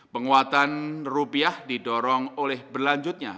penguatan rupiah didorong oleh berlanjutnya